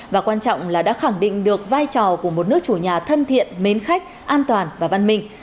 và quan trọng là đã khẳng định được vai trò của một nước chủ nhà thân thiện mến khách an toàn và văn minh